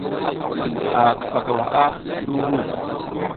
A kifa ka waʼa ti muƞgu.